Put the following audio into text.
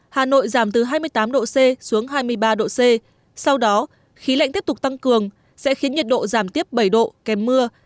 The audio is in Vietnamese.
hà nội giảm từ hai mươi tám độ c xuống hai mươi ba độ c sau đó khí lạnh tiếp tục tăng cường sẽ khiến nhiệt độ giảm tiếp bảy độ kèm mưa